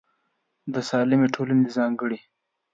د سالمې ټولنې ځانګړنې